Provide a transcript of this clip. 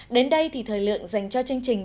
đến đây thì thời lượng dành cho chương trình